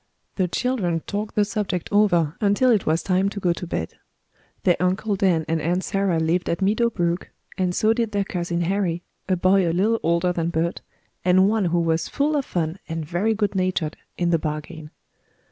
The children talked the subject over until it was time to go to bed. Their Uncle Dan and Aunt Sarah lived at Meadow Brook, and so did their cousin Harry, a boy a little older than Bert, and one who was full of fun and very good natured in the bargain.